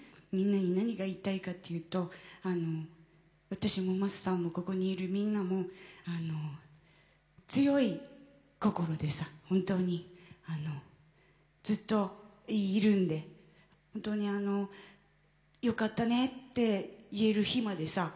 みんなに何が言いたいかっていうと私もマサさんもここにいるみんなも強い心でさ本当にずっといるんで本当に「よかったね」って言える日までさ